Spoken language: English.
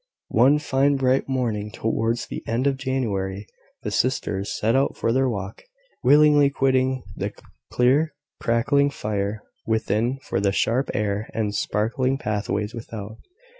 One fine bright morning towards the end of January, the sisters set out for their walk, willingly quitting the clear crackling fire within for the sharp air and sparkling pathways without.